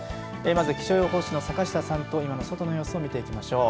まず、気象予報士の坂下さんと外の様子を見ていきましょう。